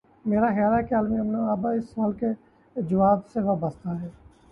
میرا خیال ہے کہ عالمی ا من اب اس سوال کے جواب سے وابستہ ہے۔